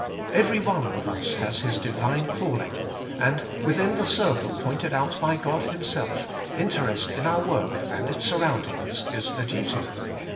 Every one of us has his Divine calling, and within the circle pointed out by God Himself interest in our work and its surroundings is a duty.